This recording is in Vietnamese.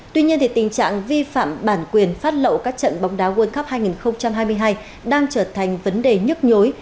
tuy nhiên tình trạng vi phạm bản quyền phát lậu các trận bóng đá world cup hai nghìn hai mươi hai đang trở thành vấn đề nhức nhối